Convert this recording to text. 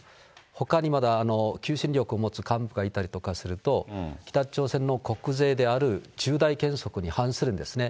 ほかにまだ求心力を持つ幹部などがいたりすると、北朝鮮の国是であるじゅうだい原則に反するんですね。